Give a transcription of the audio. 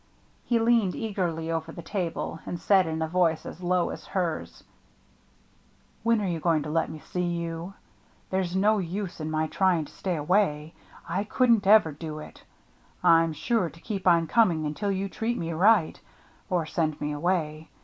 He leaned eagerly over the table, and said in a voice as low as hers: "When are you going to let me see you ? There's no use in my trying to stay away — I couldn't ever do it. I'm sure to keep on coming until you treat me right — or send me away.